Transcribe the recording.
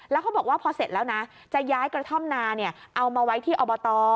แล้วเขาบอกว่าพอเสร็จแล้วนะจะย้ายกระท่อมนาเอามาไว้ที่อบต